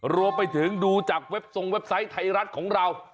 รวมไปถึงดูจากเว็บทรงเว็บไซต์ไทยรัฐของเรา